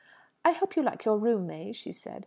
"I hope you like your room, May?" she said.